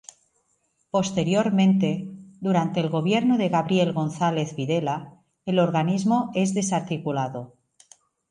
Posteriormente, durante el gobierno de Gabriel González Videla, el organismo es desarticulado.